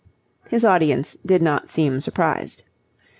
His audience did not seem surprised.